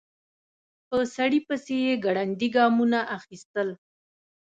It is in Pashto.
په سړي پسې يې ګړندي ګامونه اخيستل.